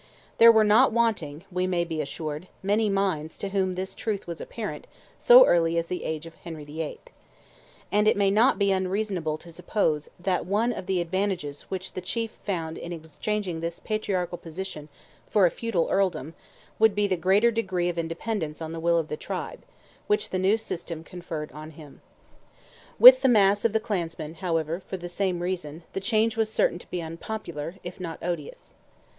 There were not wanting, we may be assured, many minds to whom this truth was apparent so early as the age of Henry VIII. And it may not be unreasonable to suppose that one of the advantages which the chief found in exchanging this patriarchal position for a feudal Earldom would be the greater degree of independence on the will of the tribe, which the new system conferred on him. With the mass of the clansmen, however, for the very same reason, the change was certain to be unpopular, if not odious.